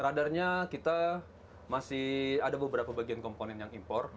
radarnya kita masih ada beberapa bagian komponen yang impor